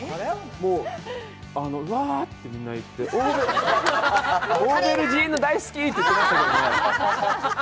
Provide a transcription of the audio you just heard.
もう、あのわーってみんな言って、オーベルジーヌ大好き！って言ってましたけどね。